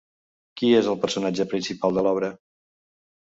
Qui és el personatge principal de l'obra?